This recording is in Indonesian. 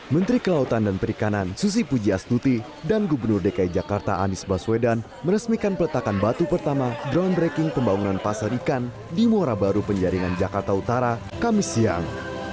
menteri kelautan dan perikanan susi pujiastuti dan gubernur dki jakarta anies baswedan meresmikan peletakan batu pertama groundbreaking pembangunan pasar ikan di muara baru penjaringan jakarta utara kamis siang